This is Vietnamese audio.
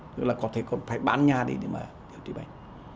tức là có thể còn phải bán nhà để mà điều trị bệnh